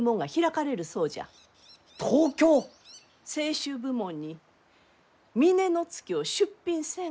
清酒部門に峰乃月を出品せんかと。